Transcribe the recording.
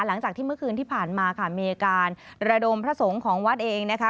หลังจากที่เมื่อคืนที่ผ่านมาค่ะมีการระดมพระสงฆ์ของวัดเองนะคะ